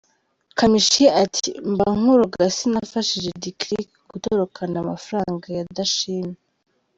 Kamichi ati: "Mba nkuroga sinafashije Lick Lick gutorokana amafaranga ya Dashim!!!".